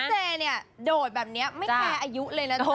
พี่เจเนี่ยโดดแบบเนี้ยไม่แพ้อายุเลยนะจ๊ะ